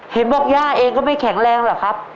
เห็นบอกย่าเองก็ไม่แข็งแรงหรอกครับ